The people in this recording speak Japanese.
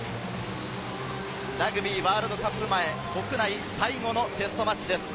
ラグビーワールドカップ前、国内最後のテストマッチです。